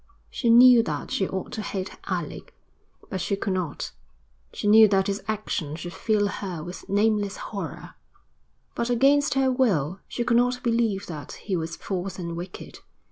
She knew that she ought to hate Alec, but she could not. She knew that his action should fill her with nameless horror, but against her will she could not believe that he was false and wicked.